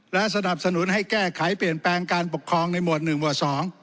และสนับสนุนให้แก้ไขเปลี่ยนแปลงการปกครองในหมวด๑หมวด๒